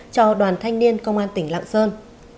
cho đoàn thanh niên công an tỉnh lạng sơn